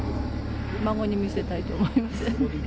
孫に見せたいと思います。